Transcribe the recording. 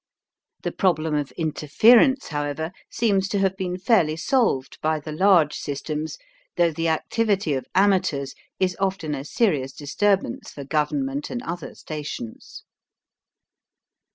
The problem of interference, however, seems to have been fairly solved by the large systems though the activity of amateurs is often a serious disturbance for government and other stations.